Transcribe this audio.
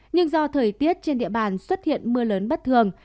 nhưng do thời tiết trên địa bàn xuất hiện mưa lớn bất thường